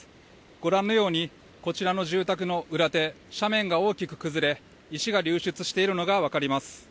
ご覧のように、こちらの住宅の裏手、斜面が大きく崩れ、石が流出しているのがわかります。